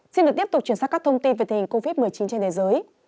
xin được tiếp tục chuyển sang các thông tin về tình hình covid một mươi chín trên thế giới